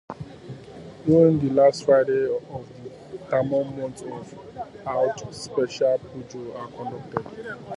During the last Fridays of the Tamil month of Aadi special pujas are conducted.